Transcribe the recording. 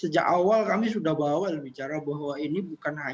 sejak awal kami sudah bawa bicara bahwa ini bukan hanya